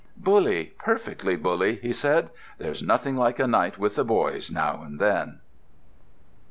"Bully—perfectly bully," he said. "There's nothing like a night with the boys now and then."